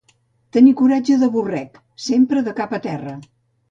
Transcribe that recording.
Tenir coratge de borrec: sempre de cap a terra.